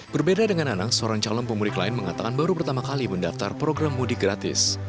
berbeda dengan anang seorang calon pemudik lain mengatakan baru pertama kali mendaftar program mudik gratis